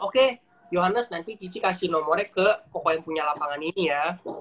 oke yohannes nanti cici kasih nomornya ke pokok yang punya lapangan ini ya